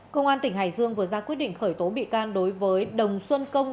công an tỉnh hải dương vừa ra quyết định khởi tố bị can đối với đồng xuân công